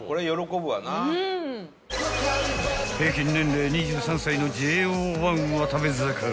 ［平均年齢２３歳のＪＯ１は食べ盛り］